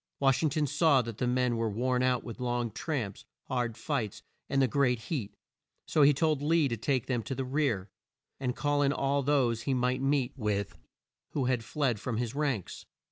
Wash ing ton saw that the men were worn out with long tramps, hard fights, and the great heat, so he told Lee to take them to the rear, and call in all those he might meet with who had fled from his ranks.